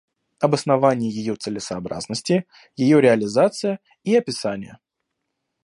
Обоснование ее целесообразности, ее реализация и описание.